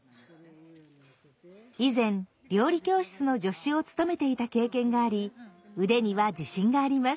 以前料理教室の助手を務めていた経験があり腕には自信があります。